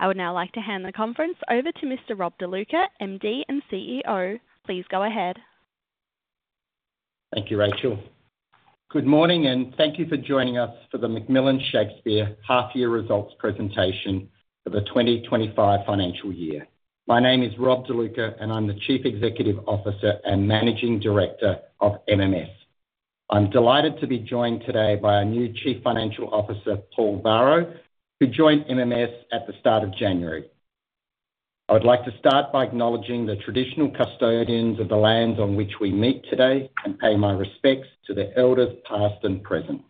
I would now like to hand the conference over to Mr. Rob De Luca, MD and CEO. Please go ahead. Thank you, Rachel. Good morning, and thank you for joining us for the McMillan Shakespeare half-year results presentation for the 2025 financial year. My name is Rob De Luca, and I'm the Chief Executive Officer and Managing Director of MMS. I'm delighted to be joined today by our new Chief Financial Officer, Paul Varro, who joined MMS at the start of January. I would like to start by acknowledging the traditional custodians of the lands on which we meet today and pay my respects to their elders past and present.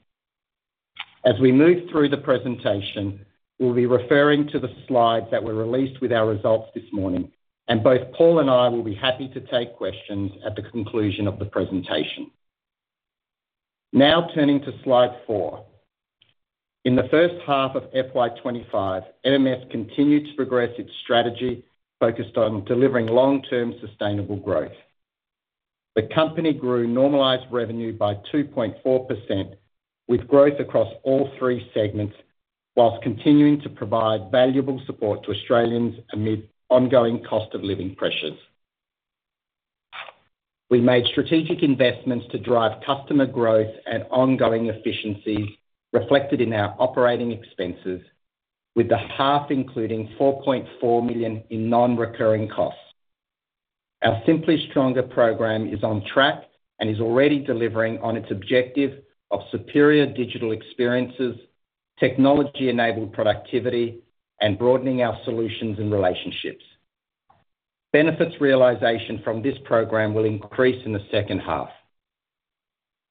As we move through the presentation, we'll be referring to the slides that were released with our results this morning, and both Paul and I will be happy to take questions at the conclusion of the presentation. Now turning to slide four. In the first half of FY25, MMS continued to progress its strategy focused on delivering long-term sustainable growth. The company grew normalized revenue by 2.4%, with growth across all three segments, while continuing to provide valuable support to Australians amid ongoing cost-of-living pressures. We made strategic investments to drive customer growth and ongoing efficiencies reflected in our operating expenses, with the half including 4.4 million in non-recurring costs. Our Simply Stronger program is on track and is already delivering on its objective of superior digital experiences, technology-enabled productivity, and broadening our solutions and relationships. Benefits realization from this program will increase in the second half.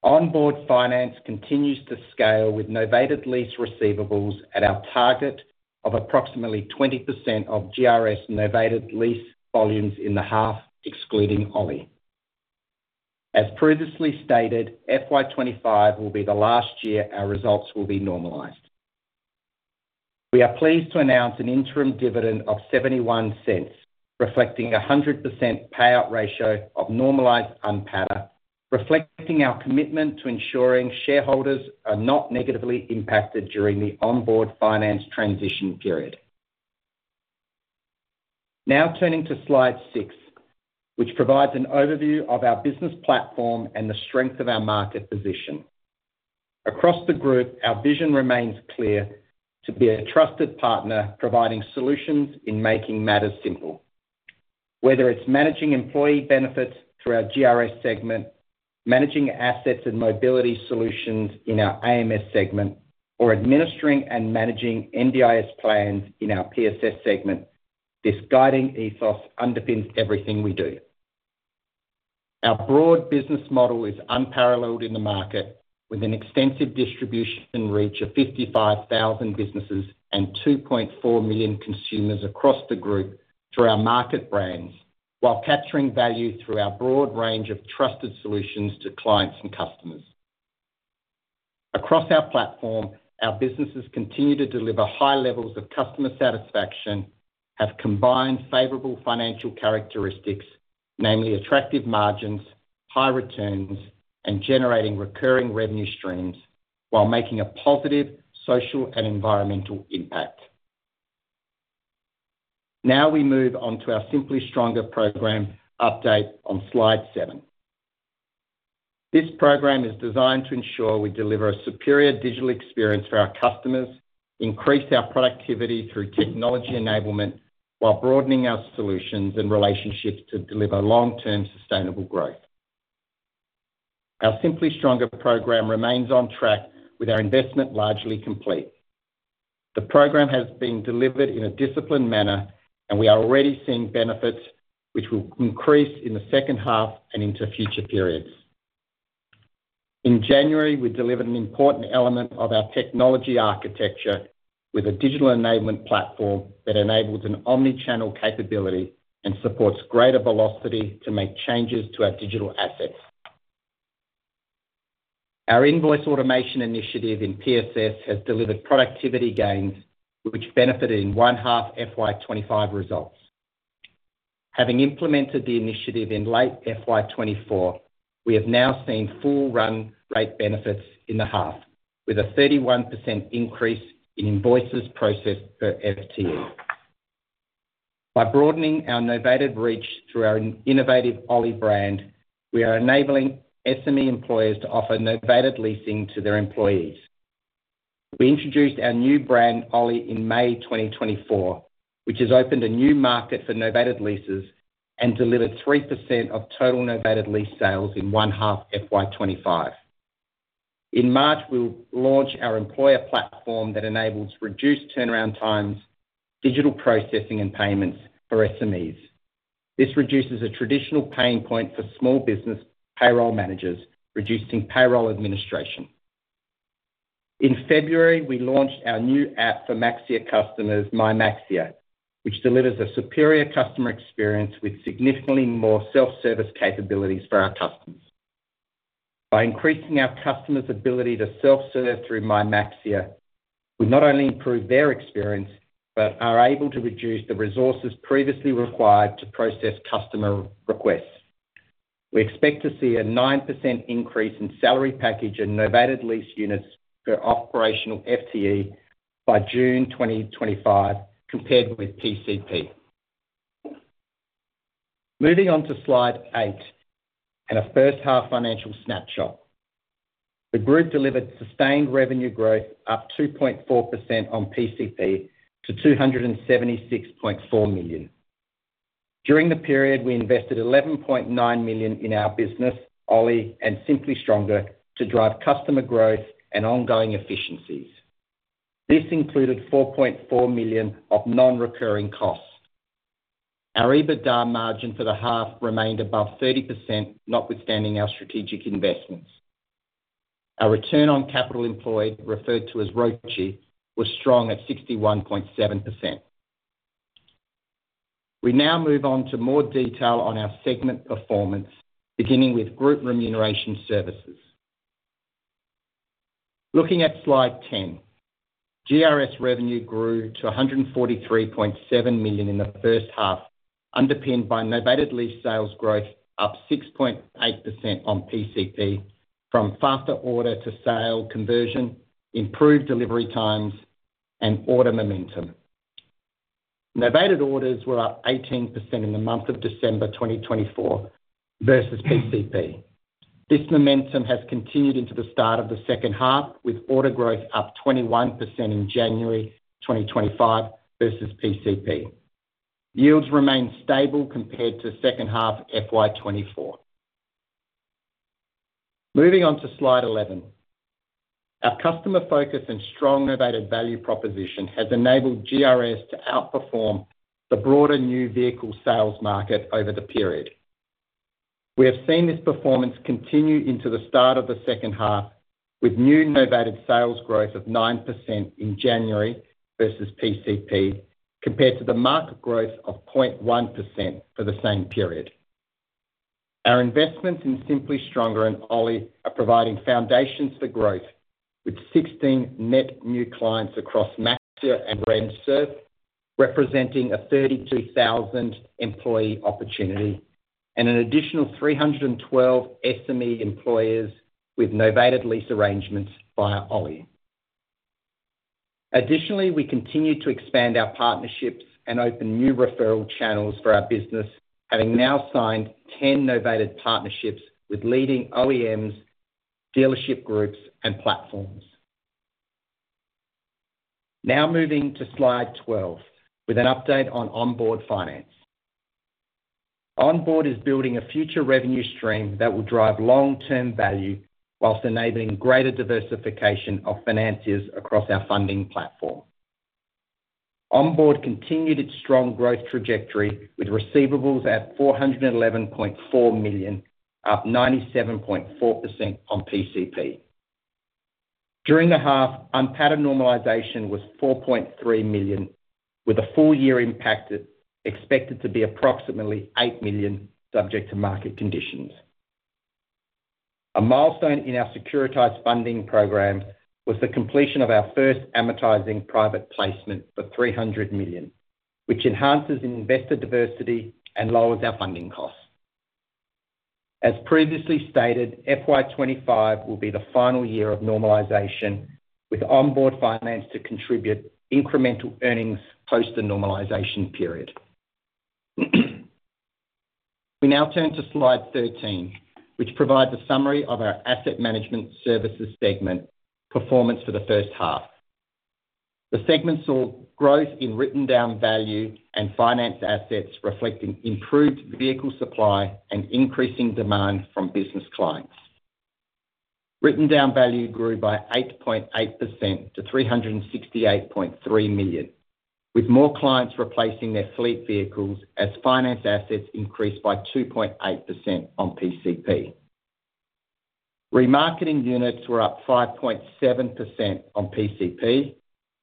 Onboard Finance continues to scale with novated lease receivables at our target of approximately 20% of GRS novated lease volumes in the half, excluding O. As previously stated, FY25 will be the last year our results will be normalized. We are pleased to announce an interim dividend of 0.71, reflecting a 100% payout ratio of normalized UNPATA, reflecting our commitment to ensuring shareholders are not negatively impacted during the Onboard Finance transition period. Now turning to slide six, which provides an overview of our business platform and the strength of our market position. Across the group, our vision remains clear to be a trusted partner providing solutions in making matters simple. Whether it's managing employee benefits through our GRS segment, managing assets and mobility solutions in our AMS segment, or administering and managing NDIS plans in our PSS segment, this guiding ethos underpins everything we do. Our broad business model is unparalleled in the market, with an extensive distribution reach of 55,000 businesses and 2.4 million consumers across the group through our market brands, while capturing value through our broad range of trusted solutions to clients and customers. Across our platform, our businesses continue to deliver high levels of customer satisfaction, have combined favorable financial characteristics, namely attractive margins, high returns, and generating recurring revenue streams, while making a positive social and environmental impact. Now we move on to our Simply Stronger program update on slide seven. This program is designed to ensure we deliver a superior digital experience for our customers, increase our productivity through technology enablement, while broadening our solutions and relationships to deliver long-term sustainable growth. Our Simply Stronger program remains on track with our investment largely complete. The program has been delivered in a disciplined manner, and we are already seeing benefits which will increase in the second half and into future periods. In January, we delivered an important element of our technology architecture with a digital enablement platform that enables an omnichannel capability and supports greater velocity to make changes to our digital assets. Our invoice automation initiative in PSS has delivered productivity gains, which benefited in 1H FY25 results. Having implemented the initiative in late FY24, we have now seen full-run rate benefits in the half, with a 31% increase in invoices processed per FTE. By broadening our novated reach through our innovative Oly brand, we are enabling SME employers to offer novated leasing to their employees. We introduced our new brand, Oly, in May 2024, which has opened a new market for novated leases and delivered 3% of total novated lease sales in 1H FY25. In March, we'll launch our employer platform that enables reduced turnaround times, digital processing, and payments for SMEs. This reduces a traditional pain point for small business payroll managers, reducing payroll administration. In February, we launched our new app for Maxxia customers, MyMaxxia, which delivers a superior customer experience with significantly more self-service capabilities for our customers. By increasing our customers' ability to self-serve through MyMaxxia, we not only improve their experience but are able to reduce the resources previously required to process customer requests. We expect to see a 9% increase in salary package and novated lease units per operational FTE by June 2025, compared with PCP. Moving on to slide eight and a first-half financial snapshot. The group delivered sustained revenue growth up 2.4% on PCP to 276.4 million. During the period, we invested 11.9 million in our business, Oly, and Simply Stronger to drive customer growth and ongoing efficiencies. This included 4.4 million of non-recurring costs. Our EBITDA margin for the half remained above 30%, notwithstanding our strategic investments. Our return on capital employed, referred to as ROCE, was strong at 61.7%. We now move on to more detail on our segment performance, beginning with Group Remuneration Services. Looking at slide 10, GRS revenue grew to 143.7 million in the first half, underpinned by novated lease sales growth up 6.8% on PCP from faster order-to-sale conversion, improved delivery times, and order momentum. Novated orders were up 18% in the month of December 2024 versus PCP. This momentum has continued into the start of the second half, with order growth up 21% in January 2025 versus PCP. Yields remained stable compared to second half FY24. Moving on to slide 11, our customer focus and strong novated value proposition has enabled GRS to outperform the broader new vehicle sales market over the period. We have seen this performance continue into the start of the second half, with new novated sales growth of 9% in January versus PCP, compared to the market growth of 0.1% for the same period. Our investments in Simply Stronger and Oly are providing foundations for growth, with 16 net new clients across Maxxia and RemServ representing a 32,000 employee opportunity and an additional 312 SME employers with novated lease arrangements via Oly. Additionally, we continue to expand our partnerships and open new referral channels for our business, having now signed 10 novated partnerships with leading OEMs, dealership groups, and platforms. Now moving to slide 12 with an update on Onboard Finance. Onboard is building a future revenue stream that will drive long-term value while enabling greater diversification of finances across our funding platform. Onboard continued its strong growth trajectory with receivables at 411.4 million, up 97.4% on PCP. During the half, UNPATA normalization was 4.3 million, with a full-year impact expected to be approximately 8 million, subject to market conditions. A milestone in our securitized funding program was the completion of our first amortizing private placement for 300 million, which enhances investor diversity and lowers our funding costs. As previously stated, FY25 will be the final year of normalization, with Onboard Finance to contribute incremental earnings post the normalization period. We now turn to slide 13, which provides a summary of our Asset Management Services segment performance for the first half. The segment saw growth in written-down value and finance assets, reflecting improved vehicle supply and increasing demand from business clients. Written-down value grew by 8.8% to 368.3 million, with more clients replacing their fleet vehicles as finance assets increased by 2.8% on PCP. Remarketing units were up 5.7% on PCP.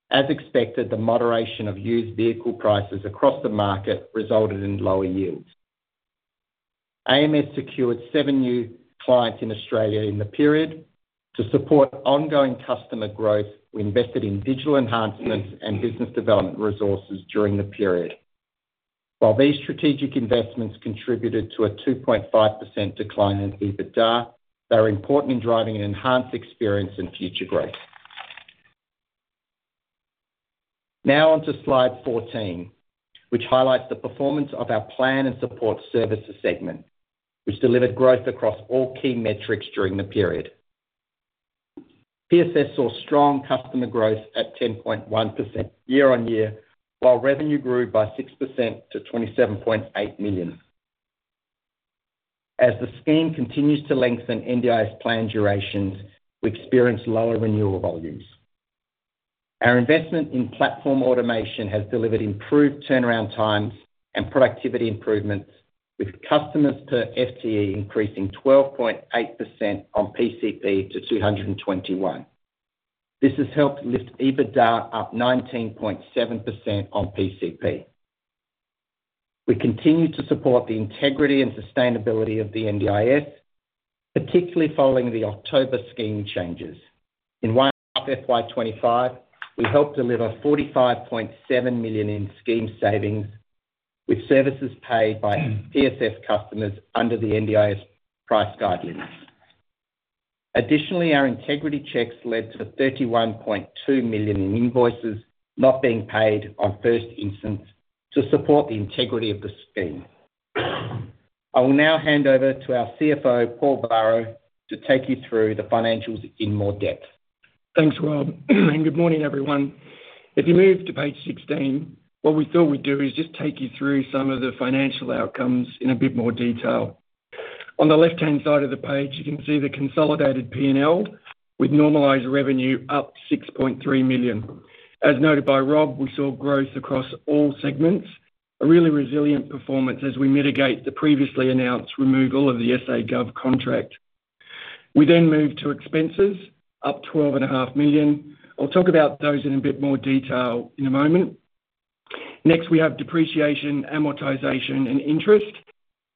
As expected, the moderation of used vehicle prices across the market resulted in lower yields. AMS secured seven new clients in Australia in the period. To support ongoing customer growth, we invested in digital enhancements and business development resources during the period. While these strategic investments contributed to a 2.5% decline in EBITDA, they are important in driving an enhanced experience and future growth. Now on to slide fourteen, which highlights the performance of our Plan and Support Services segment, which delivered growth across all key metrics during the period. PSS saw strong customer growth at 10.1% year on year, while revenue grew by 6% to 27.8 million. As the scheme continues to lengthen NDIS plan durations, we experience lower renewal volumes. Our investment in platform automation has delivered improved turnaround times and productivity improvements, with customers per FTE increasing 12.8% on PCP to 221. This has helped lift EBITDA up 19.7% on PCP. We continue to support the integrity and sustainability of the NDIS, particularly following the October scheme changes. In 1H FY25, we helped deliver 45.7 million in scheme savings, with services paid by PSS customers under the NDIS price guidelines. Additionally, our integrity checks led to 31.2 million in invoices not being paid on first instance to support the integrity of the scheme. I will now hand over to our CFO, Paul Varro, to take you through the financials in more depth. Thanks, Rob, and good morning, everyone. If you move to page sixteen, what we thought we'd do is just take you through some of the financial outcomes in a bit more detail. On the left-hand side of the page, you can see the consolidated P&L with normalized revenue up 6.3 million. As noted by Rob, we saw growth across all segments, a really resilient performance as we mitigate the previously announced removal of the SA Gov contract. We then moved to expenses, up 12.5 million. I'll talk about those in a bit more detail in a moment. Next, we have depreciation, amortization, and interest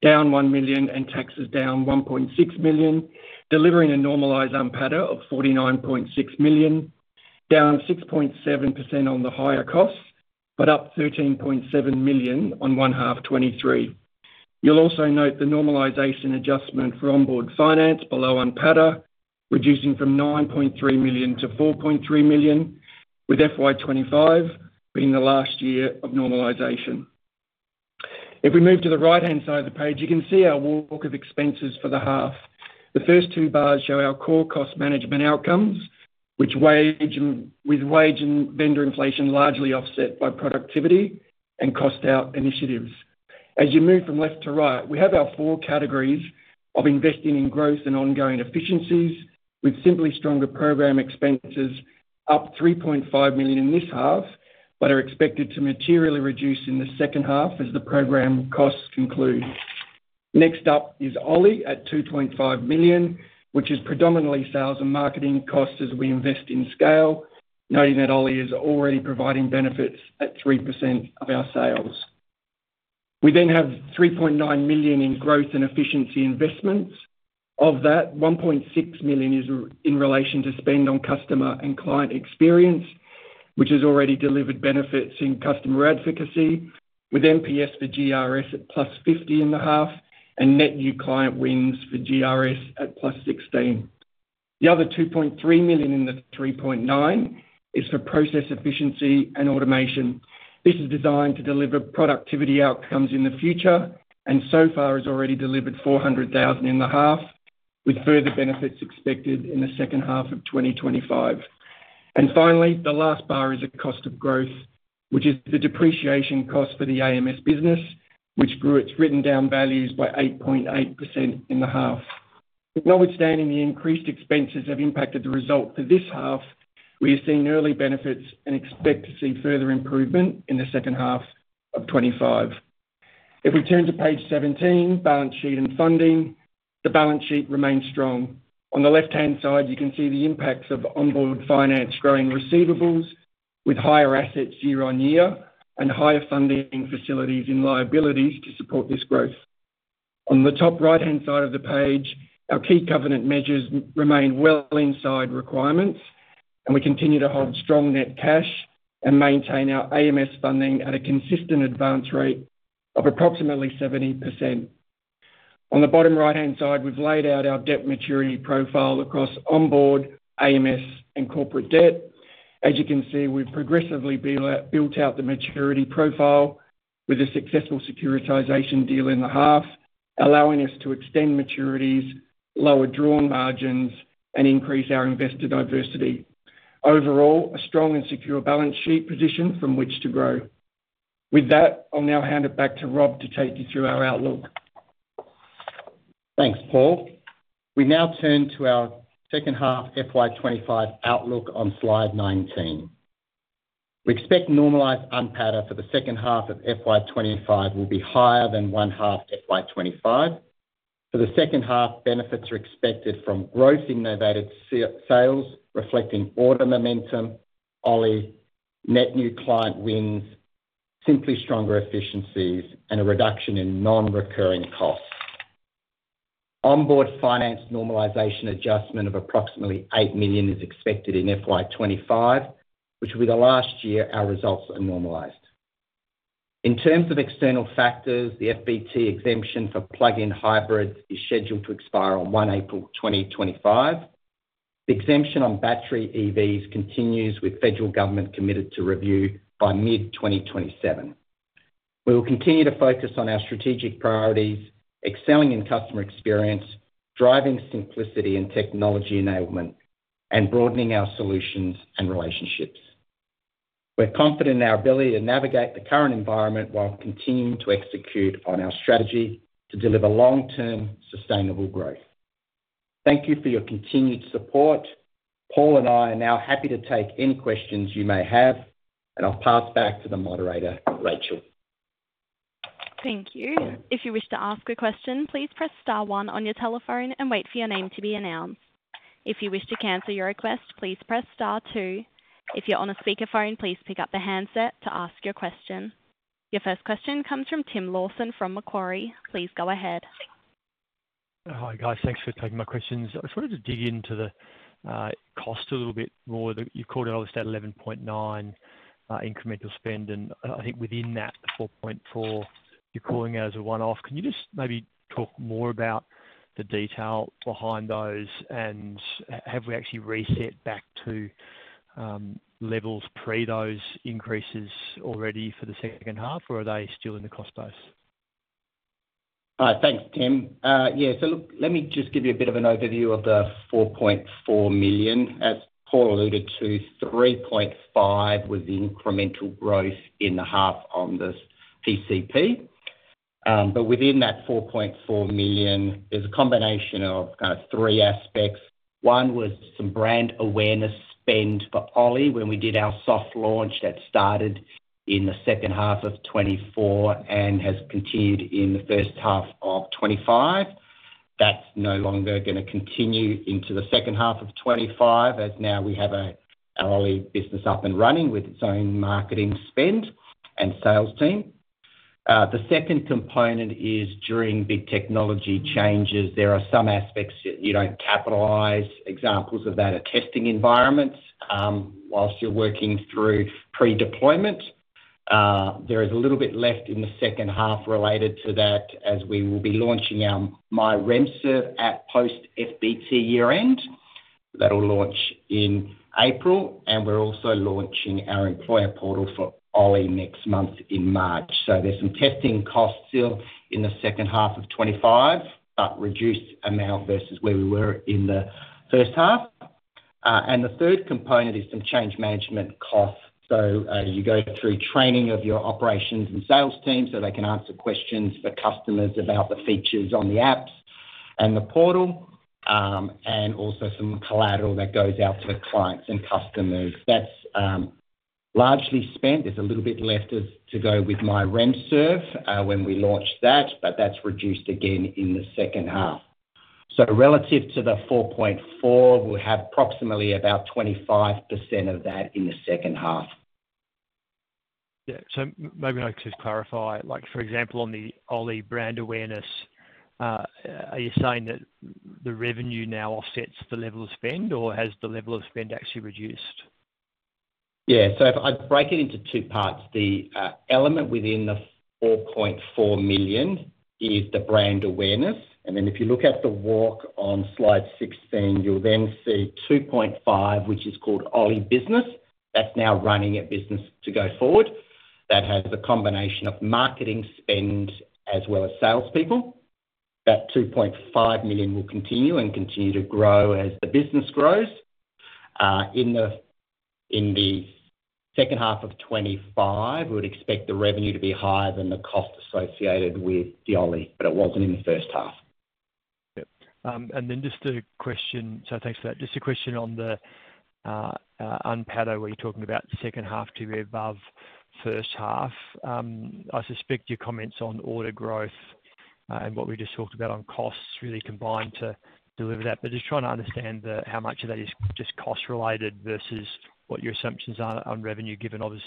down 1 million and taxes down 1.6 million, delivering a normalized UNPATA of 49.6 million, down 6.7% on the higher costs but up 13.7 million on 1H23. You'll also note the normalization adjustment for Onboard Finance below UNPATA, reducing from 9.3 million to 4.3 million, with FY25 being the last year of normalization. If we move to the right-hand side of the page, you can see our walk of expenses for the half. The first two bars show our core cost management outcomes, which with wage and vendor inflation largely offset by productivity and cost-out initiatives. As you move from left to right, we have our four categories of investing in growth and ongoing efficiencies, with Simply Stronger program expenses up 3.5 million in this half but are expected to materially reduce in the second half as the program costs conclude. Next up is Oly at 2.5 million, which is predominantly sales and marketing costs as we invest in scale, noting that Oly is already providing benefits at 3% of our sales. We then have 3.9 million in growth and efficiency investments. Of that, 1.6 million is in relation to spend on customer and client experience, which has already delivered benefits in customer advocacy, with NPS for GRS at plus 50 in the half and net new client wins for GRS at plus 16. The other 2.3 million in the 3.9 million is for process efficiency and automation. This is designed to deliver productivity outcomes in the future and so far has already delivered 400,000 in the half, with further benefits expected in the second half of 2025. Finally, the last bar is a cost of growth, which is the depreciation cost for the AMS business, which grew its written-down values by 8.8% in the half. Notwithstanding, the increased expenses have impacted the result for this half. We have seen early benefits and expect to see further improvement in the second half of 2025. If we turn to page seventeen, balance sheet and funding, the balance sheet remains strong. On the left-hand side, you can see the impacts of Onboard Finance growing receivables, with higher assets year on year and higher funding facilities in liabilities to support this growth. On the top right-hand side of the page, our key covenant measures remain well inside requirements, and we continue to hold strong net cash and maintain our AMS funding at a consistent advance rate of approximately 70%. On the bottom right-hand side, we've laid out our debt maturity profile across Onboard, AMS, and corporate debt. As you can see, we've progressively built out the maturity profile with a successful securitization deal in the half, allowing us to extend maturities, lower drawn margins, and increase our investor diversity. Overall, a strong and secure balance sheet position from which to grow. With that, I'll now hand it back to Rob to take you through our outlook. Thanks, Paul. We now turn to our second-half FY25 outlook on slide nineteen. We expect normalized UNPATA for the second half of FY25 will be higher than 1H FY25. For the second half, benefits are expected from growth in novated sales, reflecting order momentum, Oly, net new client wins, Simply Stronger efficiencies, and a reduction in non-recurring costs. Onboard Finance normalization adjustment of approximately 8 million is expected in FY25, which will be the last year our results are normalized. In terms of external factors, the FBT exemption for plug-in hybrids is scheduled to expire on 1 April 2025. The exemption on battery EVs continues, with federal government committed to review by mid-2027. We will continue to focus on our strategic priorities, excelling in customer experience, driving simplicity and technology enablement, and broadening our solutions and relationships. We're confident in our ability to navigate the current environment while continuing to execute on our strategy to deliver long-term sustainable growth. Thank you for your continued support. Paul and I are now happy to take any questions you may have, and I'll pass back to the moderator, Rachel. Thank you. If you wish to ask a question, please press star one on your telephone and wait for your name to be announced. If you wish to cancel your request, please press star two. If you're on a speakerphone, please pick up the handset to ask your question. Your first question comes from Tim Lawson from Macquarie. Please go ahead. Hi, guys. Thanks for taking my questions. I just wanted to dig into the cost a little bit more. You've called it, obviously, that 11.9 incremental spend, and I think within that, the 4.4 you're calling as a one-off. Can you just maybe talk more about the detail behind those, and have we actually reset back to levels pre those increases already for the second half, or are they still in the cost base? Thanks, Tim. Yeah, so look, let me just give you a bit of an overview of the 4.4 million. As Paul alluded to, 3.5 million was the incremental growth in the half on this PCP. But within that 4.4 million, there's a combination of kind of three aspects. One was some brand awareness spend for Oly when we did our soft launch that started in the second half of 2024 and has continued in the first half of 2025. That's no longer going to continue into the second half of 2025, as now we have our Oly business up and running with its own marketing spend and sales team. The second component is during big technology changes, there are some aspects you don't capitalize. Examples of that are testing environments while you're working through pre-deployment. There is a little bit left in the second half related to that, as we will be launching our MyRemServ at post-FBT year-end. That'll launch in April, and we're also launching our employer portal for Oly next month in March. So there's some testing costs still in the second half of 2025, but reduced amount versus where we were in the first half. And the third component is some change management costs. So you go through training of your operations and sales team so they can answer questions for customers about the features on the apps and the portal, and also some collateral that goes out to the clients and customers. That's largely spent. There's a little bit left to go with MyRemServ when we launch that, but that's reduced again in the second half. So relative to the 4.4, we'll have approximately about 25% of that in the second half. Yeah, so maybe I could just clarify. For example, on the Oly brand awareness, are you saying that the revenue now offsets the level of spend, or has the level of spend actually reduced? Yeah, so if I break it into two parts, the element within the 4.4 million is the brand awareness. And then if you look at the walk on slide sixteen, you'll then see 2.5, which is called Oly business. That's now running a business to go forward. That has a combination of marketing spend as well as salespeople. That 2.5 million will continue and continue to grow as the business grows. In the second half of 2025, we would expect the revenue to be higher than the cost associated with the Oly, but it wasn't in the first half. Yeah, and then just a question, sorry, thanks for that, just a question on the UNPATA where you're talking about second half to be above first half. I suspect your comments on order growth and what we just talked about on costs really combine to deliver that. But just trying to understand how much of that is just cost-related versus what your assumptions are on revenue, given, obviously,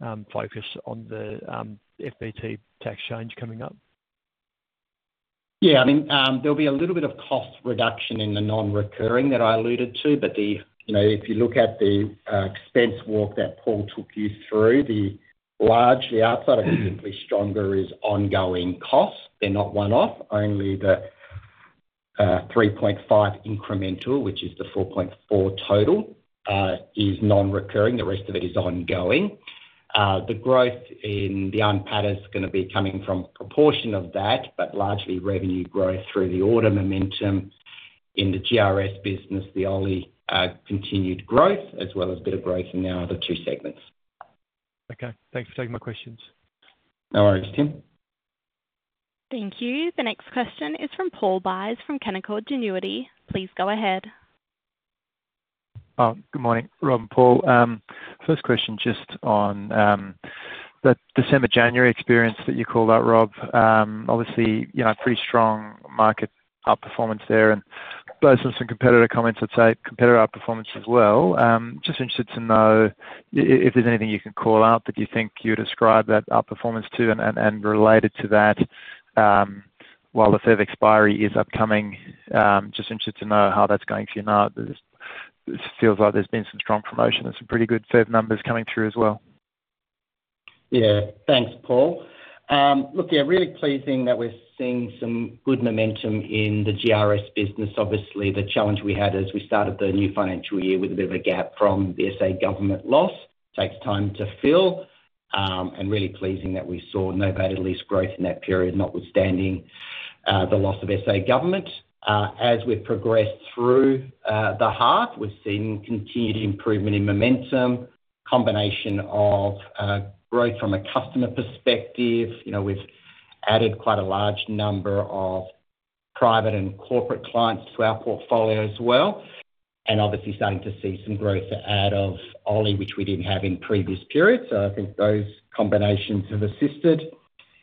the focus on the FBT tax change coming up. Yeah, I mean, there'll be a little bit of cost reduction in the non-recurring that I alluded to, but if you look at the expense walk that Paul took you through, the outside of Simply Stronger is ongoing costs. They're not one-off. Only the 3.5 incremental, which is the 4.4 total, is non-recurring. The rest of it is ongoing. The growth in the UNPATA is going to be coming from a proportion of that, but largely revenue growth through the order momentum. In the GRS business, the Oly continued growth, as well as a bit of growth in the other two segments. Okay, thanks for taking my questions. No worries, Tim. Thank you. The next question is from Paul Buys from Canaccord Genuity. Please go ahead. Good morning, Rob and Paul. First question just on the December, January experience that you call out, Rob. Obviously, pretty strong market outperformance there, and based on some competitor comments, I'd say competitor outperformance as well. Just interested to know if there's anything you can call out that you think you'd ascribe that outperformance to and related to that while the FBT expiry is upcoming. Just interested to know how that's going for you now. It feels like there's been some strong promotion and some pretty good BEV numbers coming through as well. Yeah, thanks, Paul. Look, yeah, really pleasing that we're seeing some good momentum in the GRS business. Obviously, the challenge we had as we started the new financial year with a bit of a gap from the SA government loss takes time to fill, and really pleasing that we saw novated lease growth in that period, notwithstanding the loss of SA government. As we've progressed through the half, we've seen continued improvement in momentum, combination of growth from a customer perspective. We've added quite a large number of private and corporate clients to our portfolio as well, and obviously starting to see some growth out of Oly, which we didn't have in previous periods. So I think those combinations have assisted.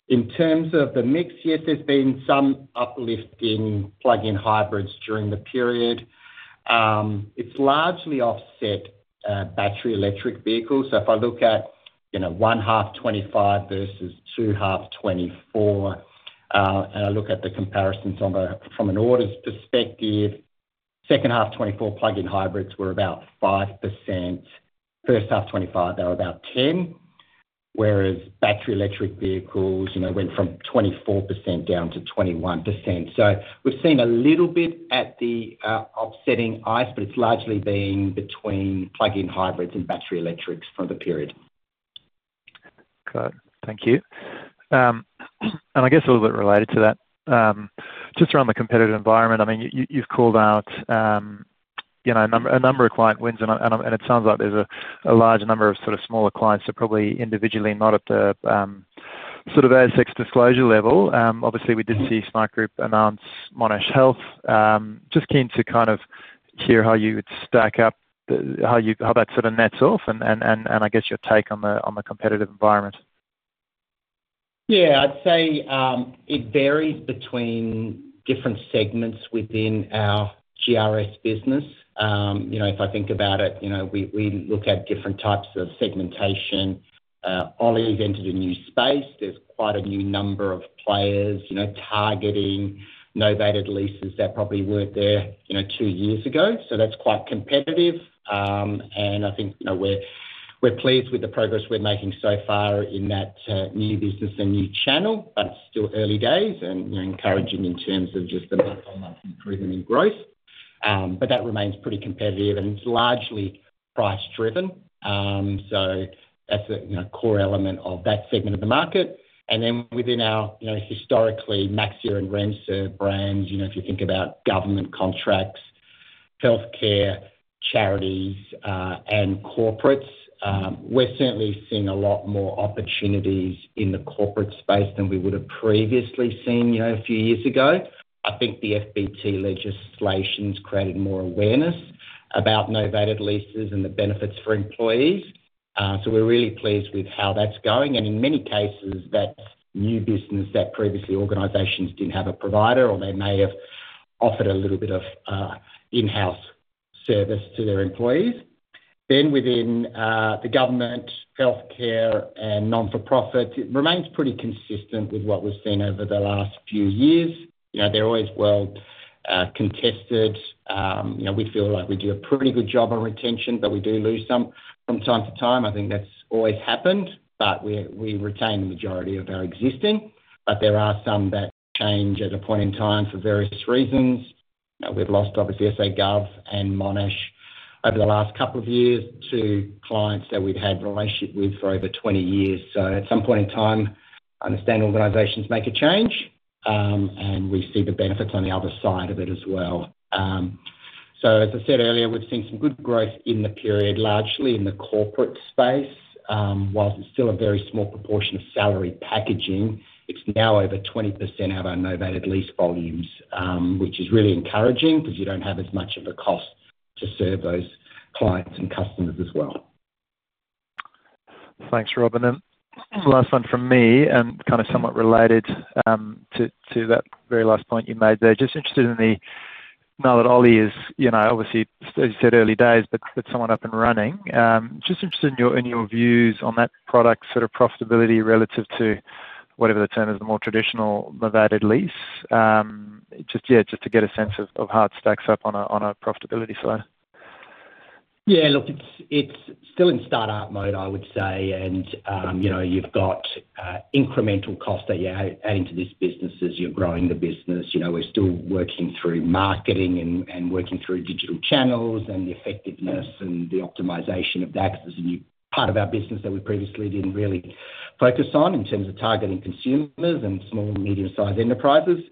In terms of the mix, yes, there's been some uplift in plug-in hybrids during the period. It's largely offset battery electric vehicles. So if I look at 1H 2025 versus 2H 2024, and I look at the comparisons from an orders perspective, second half 2024 plug-in hybrids were about 5%. First half 2025, they were about 10%, whereas battery electric vehicles went from 24% down to 21%. So we've seen a little bit at the offsetting ICE, but it's largely been between plug-in hybrids and battery electrics for the period. Okay, thank you. And I guess a little bit related to that, just around the competitive environment, I mean, you've called out a number of client wins, and it sounds like there's a large number of sort of smaller clients that are probably individually not at the sort of ASX disclosure level. Obviously, we did see Smartgroup announce Monash Health. Just keen to kind of hear how you would stack up, how that sort of nets off, and I guess your take on the competitive environment. Yeah, I'd say it varies between different segments within our GRS business. If I think about it, we look at different types of segmentation. Oly has entered a new space. There's quite a number of new players targeting novated leases that probably weren't there two years ago. So that's quite competitive. And I think we're pleased with the progress we're making so far in that new business and new channel, but it's still early days and encouraging in terms of just the month-on-month improvement in growth. But that remains pretty competitive, and it's largely price-driven. So that's a core element of that segment of the market. And then within our historically Maxxia and RemServ brands, if you think about government contracts, healthcare, charities, and corporates, we're certainly seeing a lot more opportunities in the corporate space than we would have previously seen a few years ago. I think the FBT legislation has created more awareness about novated leases and the benefits for employees. So we're really pleased with how that's going. And in many cases, that's new business that previously organizations didn't have a provider, or they may have offered a little bit of in-house service to their employees. Then within the government, healthcare, and not-for-profit, it remains pretty consistent with what we've seen over the last few years. They're always well contested. We feel like we do a pretty good job on retention, but we do lose some from time to time. I think that's always happened, but we retain the majority of our existing. But there are some that change at a point in time for various reasons. We've lost, obviously, SA Gov and Monash Health over the last couple of years, two clients that we've had relationship with for over 20 years. So at some point in time, I understand organizations make a change, and we see the benefits on the other side of it as well. So as I said earlier, we've seen some good growth in the period, largely in the corporate space. While it's still a very small proportion of salary packaging, it's now over 20% out of our novated lease volumes, which is really encouraging because you don't have as much of a cost to serve those clients and customers as well. Thanks, Rob. And then last one from me, and kind of somewhat related to that very last point you made there. Just interested in the, now that Oly is obviously, as you said, early days, but somewhat up and running. Just interested in your views on that product sort of profitability relative to whatever the term is, the more traditional novated lease. Just, yeah, just to get a sense of how it stacks up on a profitability side. Yeah, look, it's still in startup mode, I would say, and you've got incremental costs that you're adding to this business as you're growing the business. We're still working through marketing and working through digital channels and the effectiveness and the optimization of that because it's a new part of our business that we previously didn't really focus on in terms of targeting consumers and small and medium-sized enterprises.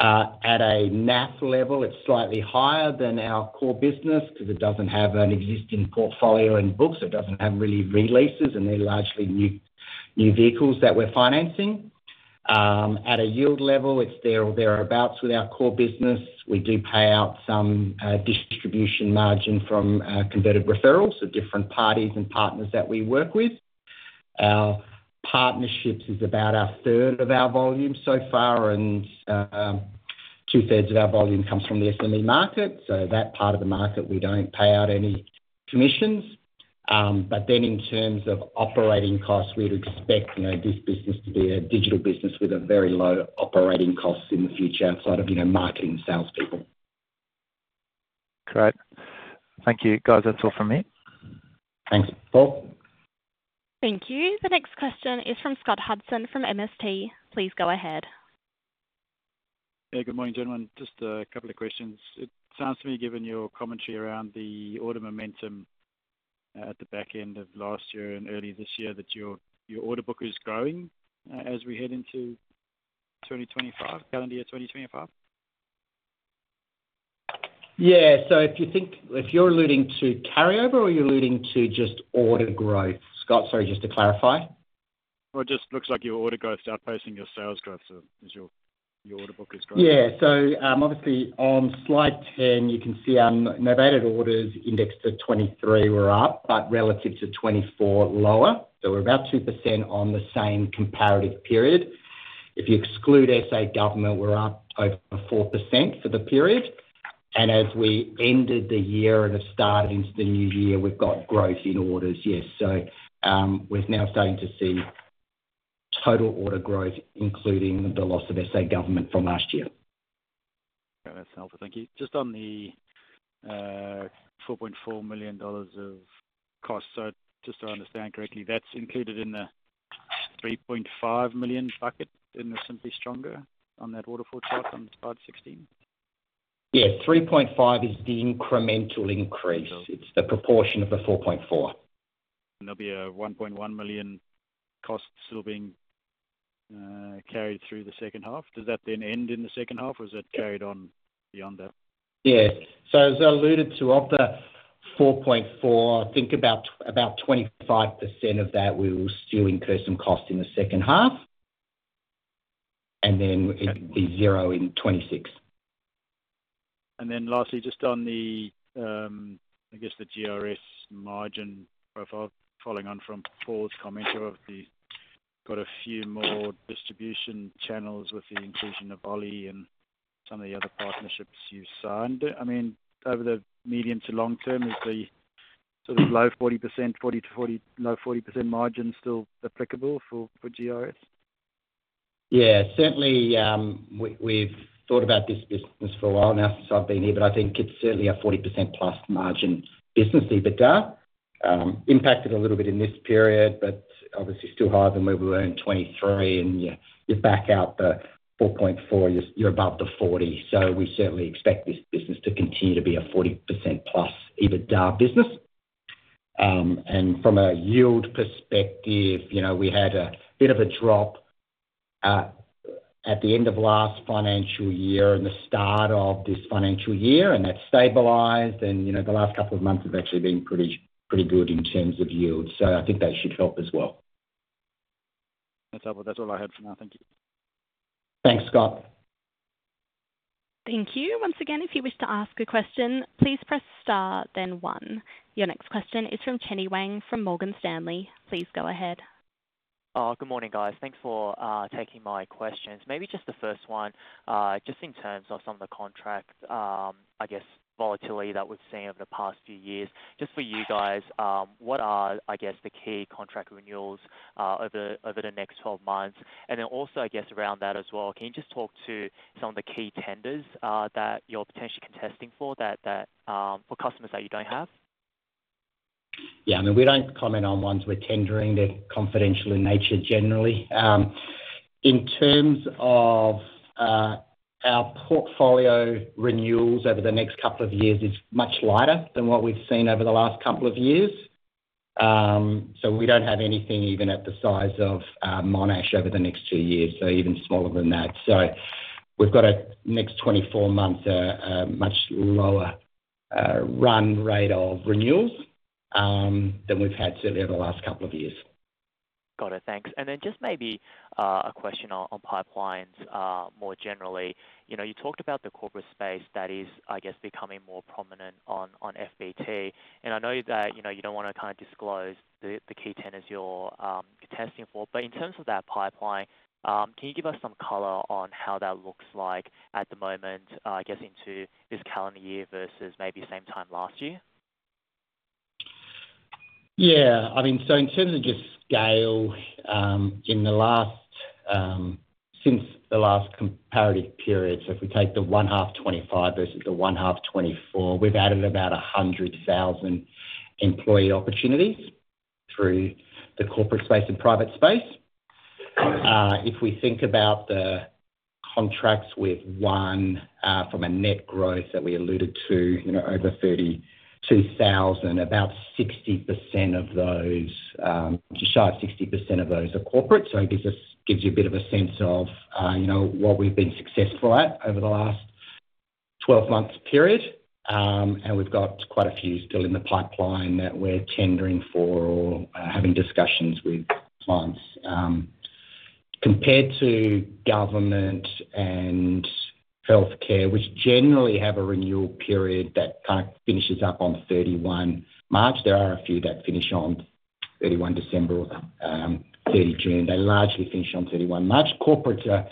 At a NAF level, it's slightly higher than our core business because it doesn't have an existing portfolio in books. It doesn't have rental leases, and they're largely new vehicles that we're financing. At a yield level, it's there or thereabouts with our core business. We do pay out some distribution margin from converted referrals of different parties and partners that we work with. Our partnerships is about a third of our volume so far, and two-thirds of our volume comes from the SME market. So that part of the market, we don't pay out any commissions. But then in terms of operating costs, we'd expect this business to be a digital business with very low operating costs in the future outside of marketing and salespeople. Great. Thank you. Guys, that's all from me. Thanks, Paul. Thank you. The next question is from Scott Hudson from MST. Please go ahead. Yeah, good morning, gentlemen. Just a couple of questions. It sounds to me, given your commentary around the order momentum at the back end of last year and early this year, that your order book is growing as we head into calendar year 2025. Yeah, so if you're alluding to carryover or you're alluding to just order growth, Scott? Sorry, just to clarify. Well, it just looks like your order growth's outpacing your sales growth as your order book is growing. Yeah, so obviously on slide 10, you can see our novated orders indexed to 2023 were up, but relative to 2024 lower. So we're about 2% on the same comparative period. If you exclude SA Government, we're up over 4% for the period. And as we ended the year and have started into the new year, we've got growth in orders, yes. So we're now starting to see total order growth, including the loss of SA Government from last year. Okay, that sounds good. Thank you. Just on the 4.4 million dollars of costs, so just to understand correctly, that's included in the 3.5 million bucket in the Simply Stronger on that waterfall chart on slide 16? Yeah, 3.5 million is the incremental increase. It's the proportion of the 4.4. And there'll be a 1.1 million cost still being carried through the second half. Does that then end in the second half, or is that carried on beyond that? Yeah, so as I alluded to, of the 4.4, I think about 25% of that, we will still incur some cost in the second half. And then it'd be zero in 2026. Then lastly, just on the, I guess, the GRS margin profile, following on from Paul's commentary on the fact we've got a few more distribution channels with the inclusion of Oly and some of the other partnerships you've signed. I mean, over the medium to long term, is the sort of low 40%, 40%-40%, low 40% margin still applicable for GRS? Yeah, certainly we've thought about this business for a while now since I've been here, but I think it's certainly a 40% plus margin business, even though impacted a little bit in this period, but obviously still higher than where we were in 2023. And you back out the 4.4%, you're above the 40%. So we certainly expect this business to continue to be a 40% plus even though business. And from a yield perspective, we had a bit of a drop at the end of last financial year and the start of this financial year, and that stabilized. And the last couple of months have actually been pretty good in terms of yield. So I think that should help as well. That's all I had for now. Thank you. Thanks, Scott. Thank you. Once again, if you wish to ask a question, please press star then one. Your next question is from Chenny Wang from Morgan Stanley. Please go ahead. Good morning, guys. Thanks for taking my questions. Maybe just the first one, just in terms of some of the contract, I guess, volatility that we've seen over the past few years. Just for you guys, what are, I guess, the key contract renewals over the next 12 months? And then also, I guess, around that as well, can you just talk to some of the key tenders that you're potentially contesting for customers that you don't have? Yeah, I mean, we don't comment on ones we're tendering. They're confidential in nature generally. In terms of our portfolio renewals over the next couple of years, it's much lighter than what we've seen over the last couple of years. So we don't have anything even at the size of Monash over the next two years, so even smaller than that. So we've got a next 24 months, a much lower run rate of renewals than we've had certainly over the last couple of years. Got it. Thanks. And then just maybe a question on pipelines more generally. You talked about the corporate space that is, I guess, becoming more prominent on FBT. I know that you don't want to kind of disclose the key tenders you're contesting for. In terms of that pipeline, can you give us some color on how that looks like at the moment, I guess, into this calendar year versus maybe same time last year? Yeah, I mean, so in terms of just scale, in the last comparative period, so if we take the 1H 2025 versus the 1H 2024, we've added about 100,000 employee opportunities through the corporate space and private space. If we think about the contracts we've won from net growth that we alluded to, over 32,000, about 60% of those, just shy of 60% of those are corporate. It gives you a bit of a sense of what we've been successful at over the last 12 months period. And we've got quite a few still in the pipeline that we're tendering for or having discussions with clients. Compared to government and healthcare, which generally have a renewal period that kind of finishes up on 31 March, there are a few that finish on 31 December or 30 June. They largely finish on 31 March. Corporates are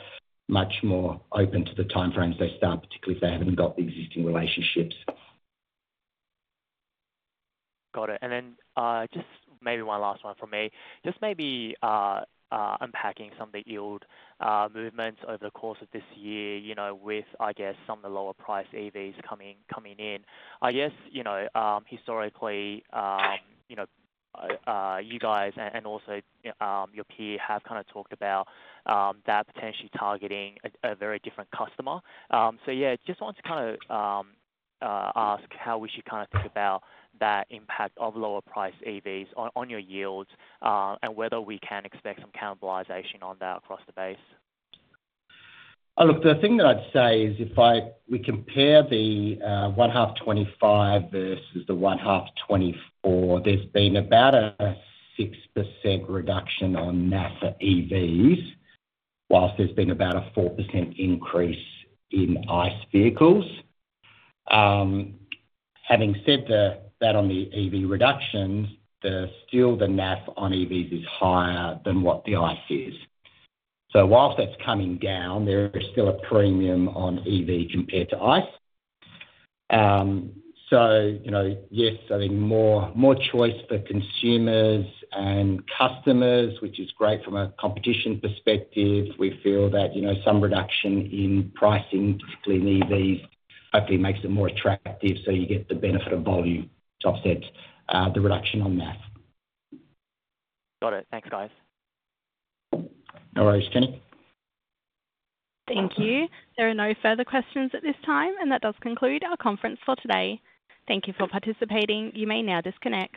much more open to the timeframes they start, particularly if they haven't got the existing relationships. Got it. And then just maybe one last one from me. Just maybe unpacking some of the yield movements over the course of this year with, I guess, some of the lower-priced EVs coming in. I guess historically, you guys and also your peer have kind of talked about that potentially targeting a very different customer. So yeah, just want to kind of ask how we should kind of think about that impact of lower-priced EVs on your yields and whether we can expect some cannibalization on that across the base. Look, the thing that I'd say is if we compare the 1H 2025 versus the 1H 2024, there's been about a 6% reduction on NAF for EVs, whilst there's been about a 4% increase in ICE vehicles. Having said that on the EV reductions, still the NAF on EVs is higher than what the ICE is. So whilst that's coming down, there is still a premium on EV compared to ICE. So yes, I think more choice for consumers and customers, which is great from a competition perspective. We feel that some reduction in pricing, particularly in EVs, hopefully makes it more attractive. So you get the benefit of volume to offset the reduction on NAF. Got it. Thanks, guys. No worries. Chenny? Thank you. There are no further questions at this time, and that does conclude our conference for today. Thank you for participating. You may now disconnect.